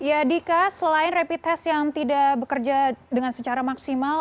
ya dika selain rapid test yang tidak bekerja dengan secara maksimal